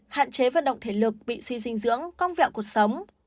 hạn chế vận động thể lực bị suy dinh dưỡng cong vẹo cuộc sống